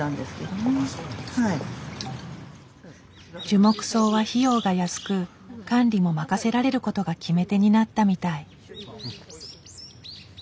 樹木葬は費用が安く管理も任せられることが決め手になったみたい。